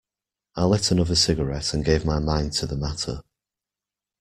I lit another cigarette and gave my mind to the matter.